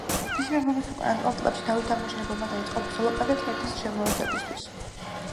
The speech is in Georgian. მისი მეფობის უკანასკნელ წლებში დავით აღმაშენებელმა დაიწყო ბრძოლა კახეთ-ჰერეთის შემოერთებისათვის.